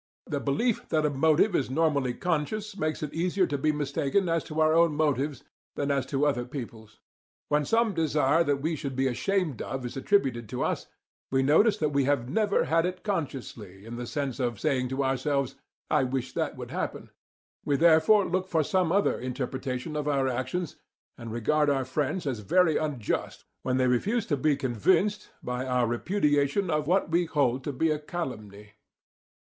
The belief that a motive is normally conscious makes it easier to be mistaken as to our own motives than as to other people's. When some desire that we should be ashamed of is attributed to us, we notice that we have never had it consciously, in the sense of saying to ourselves, "I wish that would happen." We therefore look for some other interpretation of our actions, and regard our friends as very unjust when they refuse to be convinced by our repudiation of what we hold to be a calumny.